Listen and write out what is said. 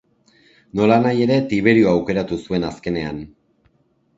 Nolanahi ere, Tiberio aukeratu zuen azkenean.